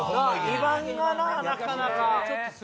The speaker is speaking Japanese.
２番がななかなか。